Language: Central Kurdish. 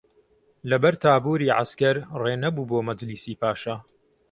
لە بەر تابووری عەسکەر ڕێ نەبوو بۆ مەجلیسی پاشا